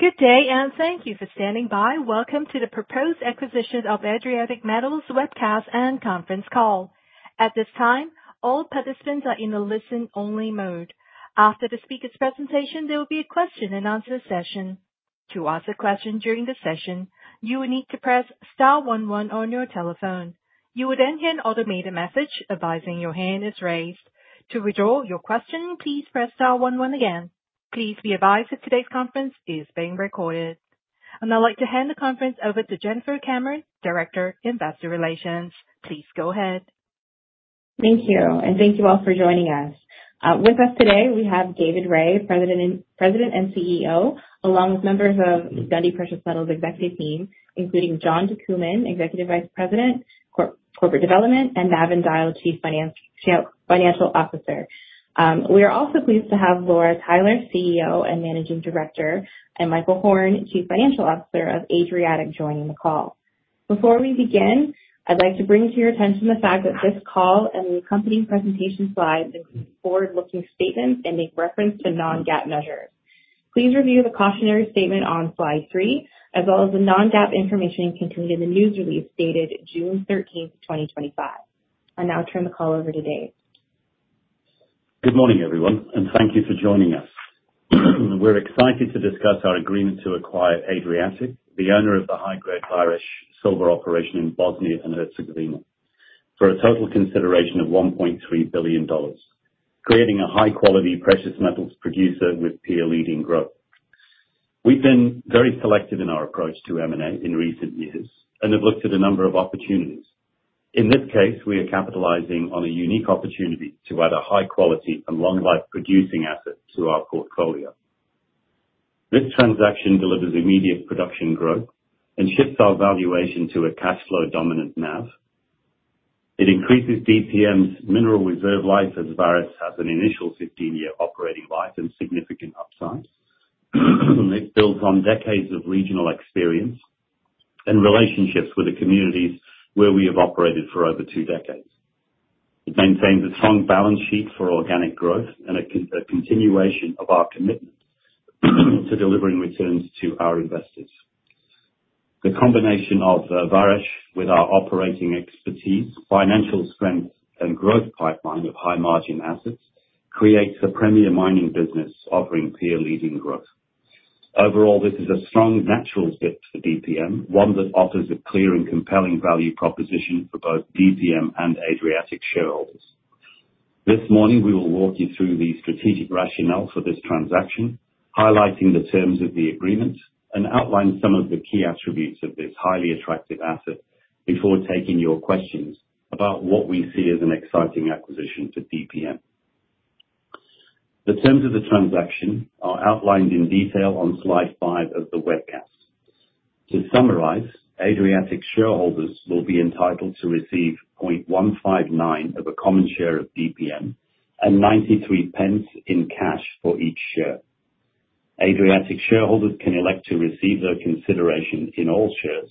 Good day, and thank you for standing by. Welcome to the Proposed Acquisition of Adriatic Metals webcast and conference call. At this time, all participants are in the listen-only mode. After the speaker's presentation, there will be a question-and-answer session. To ask a question during the session, you will need to press star one one on your telephone. You will then hear an automated message advising your hand is raised. To withdraw your question, please press star one one again. Please be advised that today's conference is being recorded. I would like to hand the conference over to Jennifer Cameron, Director, Investor Relations. Please go ahead. Thank you, and thank you all for joining us. With us today, we have David Rae, President and CEO, along with members of Dundee Precious Metals' executive team, including John DeCooman, Executive Vice President, Corporate Development, and Navin Dyal, Chief Financial Officer. We are also pleased to have Laura Tyler, CEO and Managing Director, and Michael Horn, Chief Financial Officer of Adriatic, joining the call. Before we begin, I'd like to bring to your attention the fact that this call and the accompanying presentation slides include forward-looking statements and make reference to non-GAAP measures. Please review the cautionary statement on slide three, as well as the non-GAAP information contained in the news release dated June 13th, 2025. I now turn the call over to Dave. Good morning, everyone, and thank you for joining us. We're excited to discuss our agreement to acquire Adriatic, the owner of the high-grade Vares silver operation in Bosnia and Herzegovina, for a total consideration of $1.3 billion, creating a high-quality precious metals producer with peer-leading growth. We've been very selective in our approach to M&A in recent years and have looked at a number of opportunities. In this case, we are capitalizing on a unique opportunity to add a high-quality and long-life producing asset to our portfolio. This transaction delivers immediate production growth and shifts our valuation to a cash flow dominant NAV. It increases Adriatic Metals' mineral reserve life as Vares has an initial 15-year operating life and significant upside. It builds on decades of regional experience and relationships with the communities where we have operated for over two decades. It maintains a strong balance sheet for organic growth and a continuation of our commitment to delivering returns to our investors. The combination of Vares with our operating expertise, financial strength, and growth pipeline of high-margin assets creates a premier mining business offering peer-leading growth. Overall, this is a strong natural fit for DPM, one that offers a clear and compelling value proposition for both DPM and Adriatic shareholders. This morning, we will walk you through the strategic rationale for this transaction, highlighting the terms of the agreement and outline some of the key attributes of this highly attractive asset before taking your questions about what we see as an exciting acquisition for DPM. The terms of the transaction are outlined in detail on slide five of the webcast. To summarize, Adriatic shareholders will be entitled to receive 0.159 of a common share of DPM and 0.93 in cash for each share. Adriatic shareholders can elect to receive their consideration in all shares,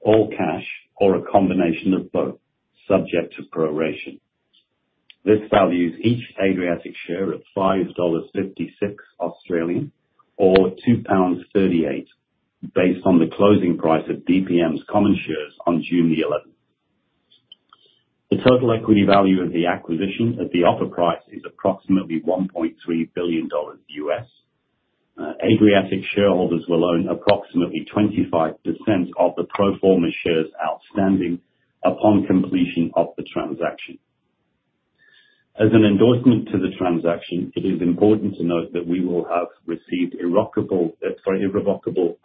all cash, or a combination of both, subject to proration. This values each Adriatic share at 5.56 Australian dollars or 2.38 pounds based on the closing price of DPM's common shares on June the 11th. The total equity value of the acquisition at the offer price is approximately $1.3 billion. Adriatic shareholders will own approximately 25% of the pro forma shares outstanding upon completion of the transaction. As an endorsement to the transaction, it is important to note that we will have received irrevocable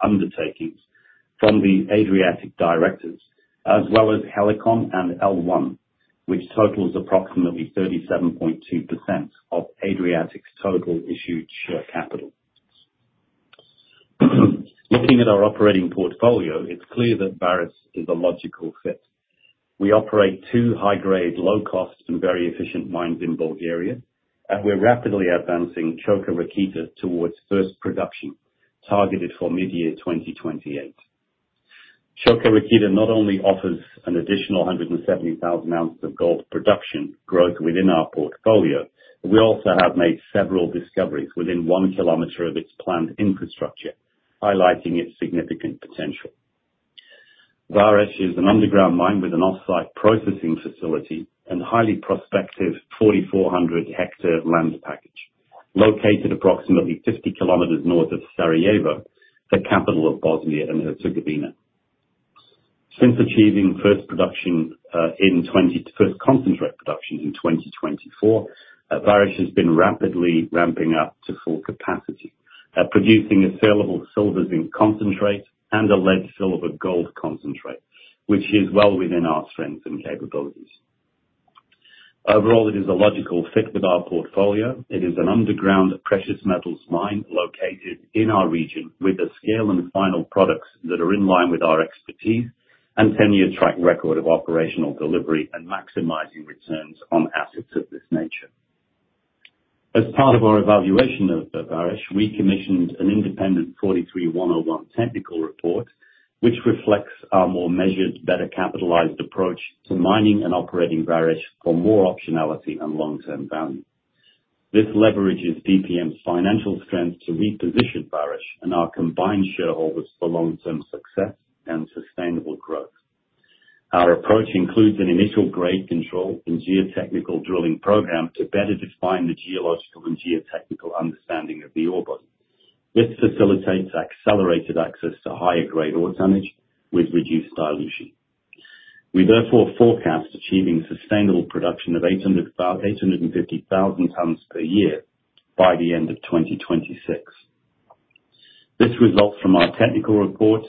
undertakings from the Adriatic directors, as well as Helikon and L1, which totals approximately 37.2% of Adriatic's total issued share capital. Looking at our operating portfolio, it's clear that Vares is a logical fit. We operate two high-grade, low-cost, and very efficient mines in Bulgaria, and we're rapidly advancing Coka Rakita towards first production targeted for mid-year 2028. Coka Rakita not only offers an additional 170,000 ounces of gold production growth within our portfolio, but we also have made several discoveries within 1 kilometer of its planned infrastructure, highlighting its significant potential. Vares is an underground mine with an off-site processing facility and highly prospective 4,400-hectare land package located approximately 50 kilometers north of Sarajevo, the capital of Bosnia and Herzegovina. Since achieving first production in 2024, first concentrate production in 2024, Vares has been rapidly ramping up to full capacity, producing a saleable silver-zinc concentrate and a lead-silver-gold concentrate, which is well within our strengths and capabilities. Overall, it is a logical fit with our portfolio. It is an underground precious metals mine located in our region with a scale and final products that are in line with our expertise and 10-year track record of operational delivery and maximizing returns on assets of this nature. As part of our evaluation of Vares, we commissioned an independent NI 43-101 technical report, which reflects our more measured, better capitalized approach to mining and operating Vares for more optionality and long-term value. This leverages Adriatic Metals' financial strength to reposition Vares and our combined shareholders for long-term success and sustainable growth. Our approach includes an initial grade control and geotechnical drilling program to better define the geological and geotechnical understanding of the ore body. This facilitates accelerated access to higher-grade ore tonnage with reduced dilution. We therefore forecast achieving sustainable production of 850,000 tons per year by the end of 2026. The results from our technical report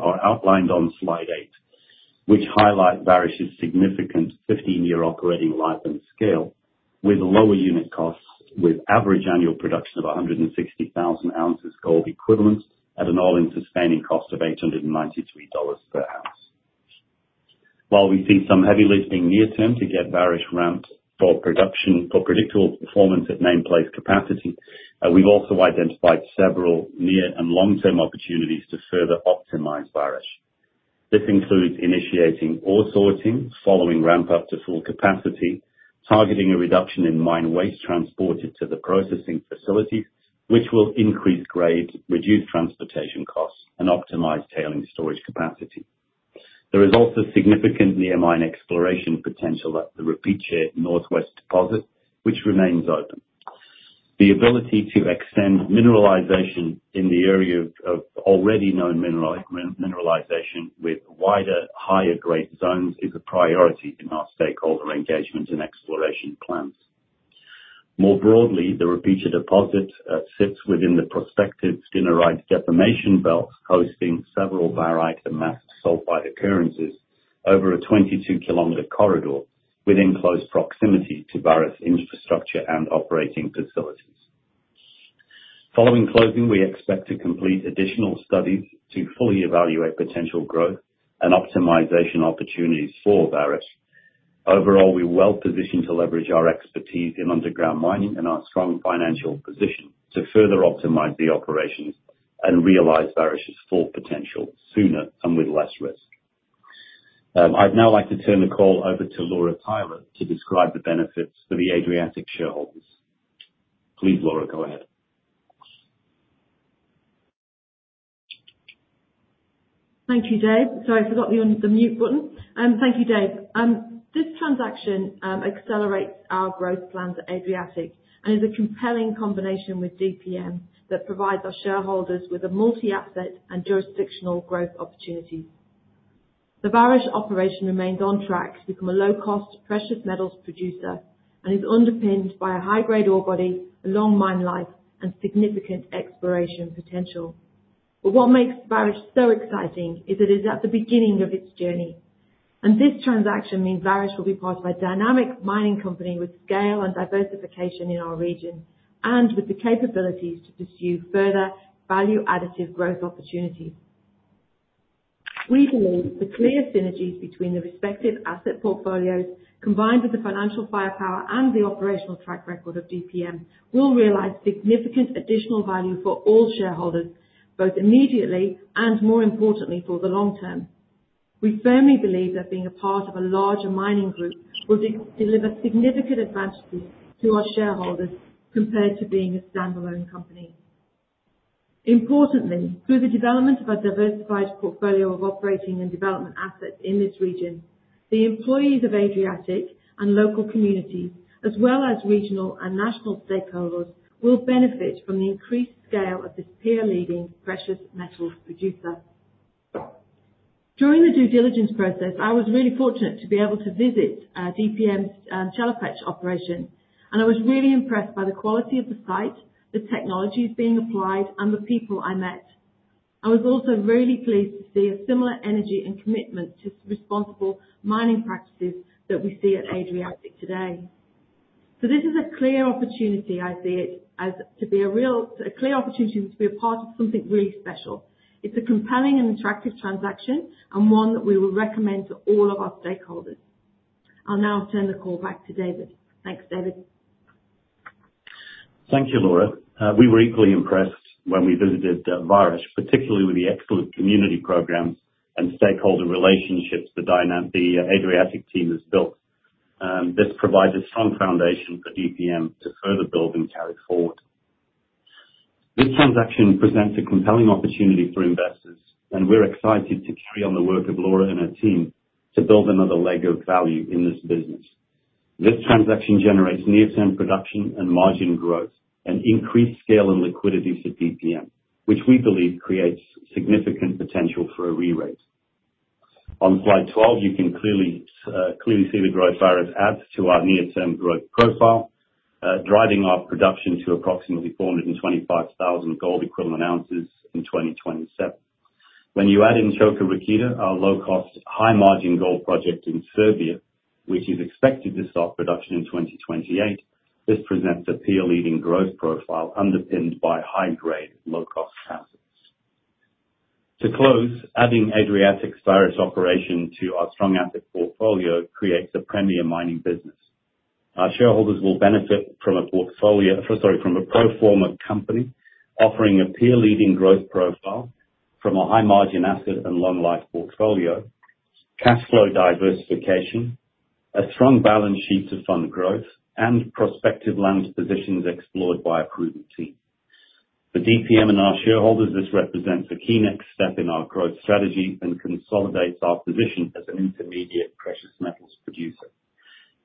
are outlined on slide eight, which highlight Vares's significant 15-year operating life and scale with lower unit costs, with average annual production of 160,000 ounces of gold equivalent at an all-in sustaining cost of $893 per ounce. While we see some heavy lifting near-term to get Vares ramped for predictable performance at nameplate capacity, we have also identified several near and long-term opportunities to further optimize Vares. This includes initiating ore sorting, following ramp-up to full capacity, targeting a reduction in mine waste transported to the processing facilities, which will increase grade, reduce transportation costs, and optimize tailings storage capacity. There is also significant near-mine exploration potential at the Rupice northwest deposit, which remains open. The ability to extend mineralization in the area of already known mineralization with wider, higher-grade zones is a priority in our stakeholder engagement and exploration plans. More broadly, the Rupice deposit sits within the prospective Dinaride deformation belt, hosting several barite and mass sulfide occurrences over a 22 km corridor within close proximity to Vares infrastructure and operating facilities. Following closing, we expect to complete additional studies to fully evaluate potential growth and optimization opportunities for Vares. Overall, we're well positioned to leverage our expertise in underground mining and our strong financial position to further optimize the operations and realize Vares's full potential sooner and with less risk. I'd now like to turn the call over to Laura Tyler to describe the benefits for the Adriatic shareholders. Please, Laura, go ahead. Thank you, Dave. Sorry, I forgot the mute button. Thank you, Dave. This transaction accelerates our growth plans at Adriatic and is a compelling combination with DPM that provides our shareholders with a multi-asset and jurisdictional growth opportunity. The Vares operation remains on track to become a low-cost precious metals producer and is underpinned by a high-grade ore body, long mine life, and significant exploration potential. What makes Vares so exciting is that it is at the beginning of its journey. This transaction means Vares will be part of a dynamic mining company with scale and diversification in our region and with the capabilities to pursue further value-additive growth opportunities. We believe the clear synergies between the respective asset portfolios, combined with the financial firepower and the operational track record of DPM, will realize significant additional value for all shareholders, both immediately and, more importantly, for the long term. We firmly believe that being a part of a larger mining group will deliver significant advantages to our shareholders compared to being a standalone company. Importantly, through the development of a diversified portfolio of operating and development assets in this region, the employees of Adriatic and local communities, as well as regional and national stakeholders, will benefit from the increased scale of this peer-leading precious metals producer. During the due diligence process, I was really fortunate to be able to visit DPM's Chelopech operation, and I was really impressed by the quality of the site, the technologies being applied, and the people I met. I was also really pleased to see a similar energy and commitment to responsible mining practices that we see at Adriatic today. This is a clear opportunity; I see it as a real clear opportunity to be a part of something really special. It's a compelling and attractive transaction and one that we will recommend to all of our stakeholders. I'll now turn the call back to David. Thanks, David. Thank you, Laura. We were equally impressed when we visited Vares, particularly with the excellent community programs and stakeholder relationships the Adriatic team has built. This provides a strong foundation for DPM to further build and carry forward. This transaction presents a compelling opportunity for investors, and we're excited to carry on the work of Laura and her team to build another leg of value in this business. This transaction generates near-term production and margin growth and increased scale and liquidity for DPM, which we believe creates significant potential for a re-rate. On slide 12, you can clearly see the growth Vares adds to our near-term growth profile, driving our production to approximately 425,000 gold equivalent ounces in 2027. When you add in Coka Rakita, our low-cost, high-margin gold project in Serbia, which is expected to start production in 2028, this presents a peer-leading growth profile underpinned by high-grade, low-cost assets. To close, adding Adriatic's Vares operation to our strong asset portfolio creates a premier mining business. Our shareholders will benefit from a portfolio—sorry, from a pro forma company offering a peer-leading growth profile from a high-margin asset and long-life portfolio, cash flow diversification, a strong balance sheet to fund growth, and prospective land positions explored by a proven team. For DPM and our shareholders, this represents a key next step in our growth strategy and consolidates our position as an intermediate precious metals producer.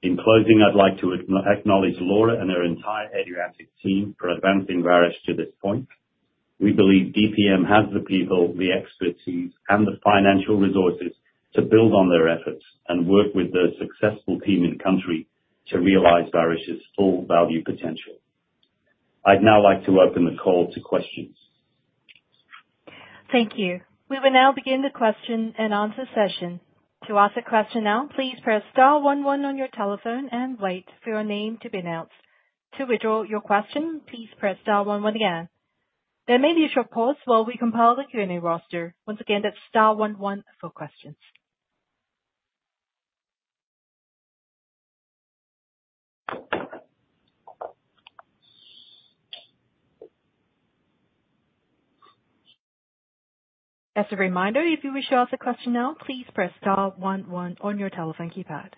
In closing, I'd like to acknowledge Laura and her entire Adriatic team for advancing Vares to this point. We believe DPM has the people, the expertise, and the financial resources to build on their efforts and work with the successful team in country to realize Vares's full value potential. I'd now like to open the call to questions. Thank you. We will now begin the question and answer session. To ask a question now, please press star 11 on your telephone and wait for your name to be announced. To withdraw your question, please press star 11 again. There may be a short pause while we compile the Q&A roster. Once again, that's star one one for questions. As a reminder, if you wish to ask a question now, please press star one one on your telephone keypad.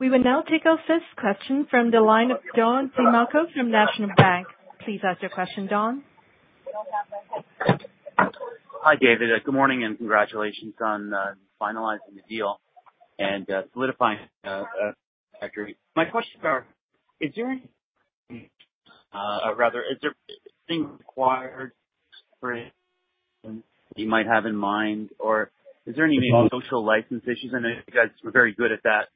We will now take our first question from the line of Don DeMarco from National Bank. Please ask your question, Don. Hi, David. Good morning and congratulations on finalizing the deal and solidifying the contract. My questions are: is there any—or rather, is there anything required for anything that you might have in mind? Or is there any maybe social license issues? I know you guys were very good at that.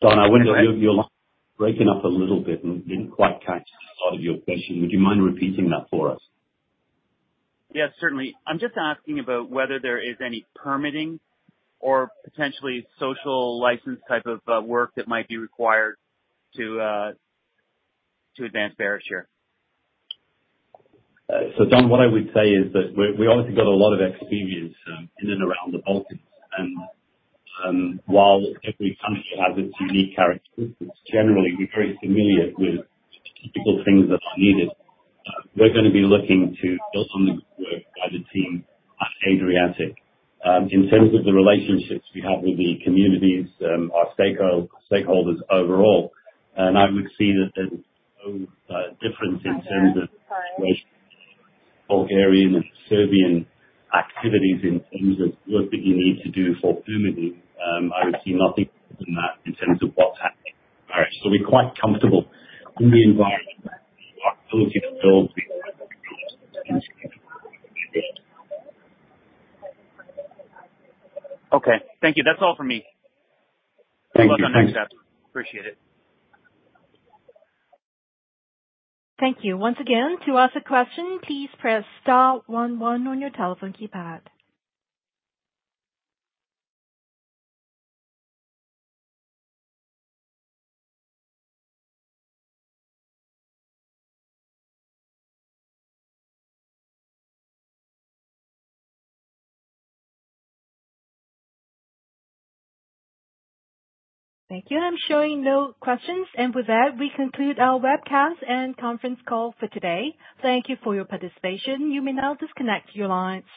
Don, I wonder if you're breaking up a little bit and didn't quite catch the start of your question. Would you mind repeating that for us? Yes, certainly. I'm just asking about whether there is any permitting or potentially social license type of work that might be required to advance Vares here. Don, what I would say is that we obviously got a lot of experience in and around the Balkans, and while every country has its unique characteristics, generally, we're very familiar with the typical things that are needed. We're going to be looking to build on the work by the team at Adriatic in terms of the relationships we have with the communities, our stakeholders overall. I would see that there's no difference in terms of Bulgarian and Serbian activities in terms of work that you need to do for permitting. I would see nothing different than that in terms of what's happening at Vares. We're quite comfortable in the environment and our ability to build the work that we need. Okay. Thank you. That's all for me. Thank you, David. That was our next step. Appreciate it. Thank you. Once again, to ask a question, please press star one one on your telephone keypad. Thank you. I'm showing no questions. With that, we conclude our webcast and conference call for today. Thank you for your participation. You may now disconnect your lines.